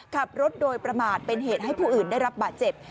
ขับรถโดยประมาทเป็นเหตุให้ผู้อื่นได้รับบาดเจ็บ